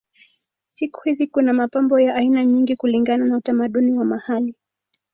Siku hizi kuna mapambo ya aina nyingi kulingana na utamaduni wa mahali.